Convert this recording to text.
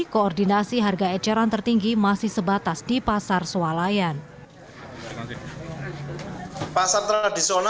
koordinasi harga ecaran tertinggi masih sebatas di pasar swalayan